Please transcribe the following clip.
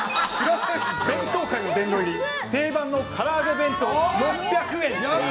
弁当界の殿堂入り定番の唐揚げ弁当６００円。